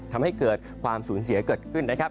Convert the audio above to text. ทำให้เกิดความสูญเสียเกิดขึ้นนะครับ